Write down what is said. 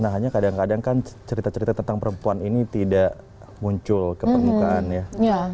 nah hanya kadang kadang kan cerita cerita tentang perempuan ini tidak muncul ke permukaan ya